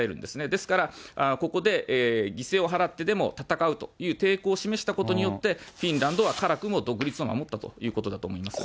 ですから、ここで犠牲を払ってでも戦うという抵抗を示したことによって、フィンランドは辛くも独立を守ったということだと思います。